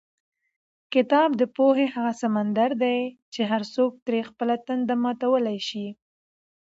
کتاب د پوهې هغه سمندر دی چې هر څوک ترې خپله تنده ماتولی شي.